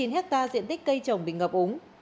bốn mươi chín hectare diện tích cây trồng bị ngập úng